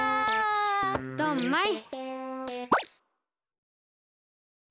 ドンマイ！